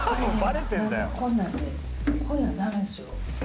本当こんなんねこんなんダメですよ。